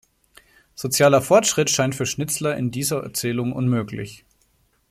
Sozialer Fortschritt scheint für Schnitzler in dieser Erzählung unmöglich.